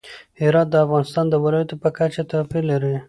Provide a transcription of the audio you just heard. هرات د افغانستان د ولایاتو په کچه توپیر لري.